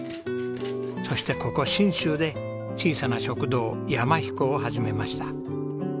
そしてここ信州で「小さな食堂山ひこ」を始めました。